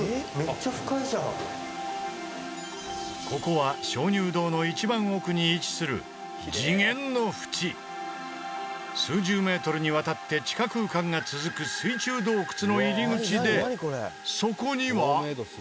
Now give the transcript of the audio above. ここは鍾乳洞の一番奥に位置する数十メートルにわたって地下空間が続く水中洞窟の入り口でそこには？